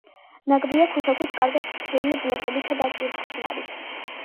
ნაგებია ქვიშაქვით კარგად თლილი ბლოკებით და კირხსნარით.